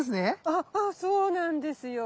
ああああそうなんですよ。